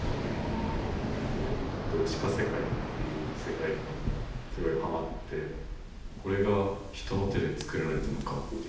あと地下世界っていう世界観がすごいはまってこれが人の手で作られたのかっていう。